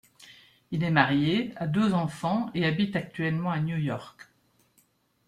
Il est marié, a deux enfants, et habite actuellement à New York.